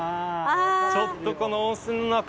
ちょっとこの温泉の中